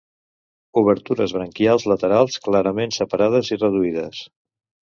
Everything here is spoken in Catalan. Obertures branquials laterals, clarament separades i reduïdes.